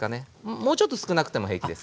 もうちょっと少なくても平気です。